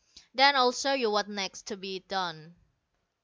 Then I'll show you what's next to be done."